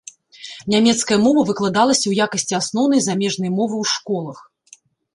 Нямецкая мова выкладалася ў якасці асноўнай замежнай мовы ў школах.